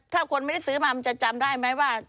ถ้าคนไม่ได้ซื้อมามันจะจำได้ไหมว่า